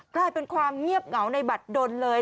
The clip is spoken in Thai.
กลายเป็นความเงียบเหงาในบัตรดนเลย